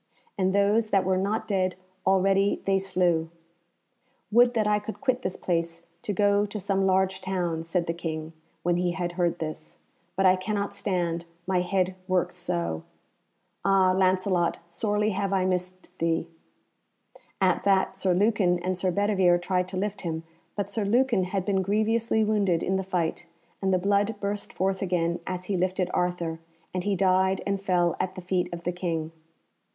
And those that were not dead already they slew. [Illustration: THE LAST BATTLE / Sir Mordred] "Would that I could quit this place to go to some large town," said the King, when he had heard this, "but I cannot stand, my head works so. Ah, Lancelot, sorely have I missed thee." At that Sir Lucan and Sir Bedivere tried to lift him, but Sir Lucan had been grievously wounded in the fight, and the blood burst forth again as he lifted Arthur, and he died and fell at the feet of the King.